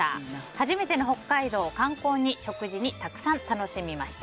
初めての北海道、観光に食事にたくさん楽しみました。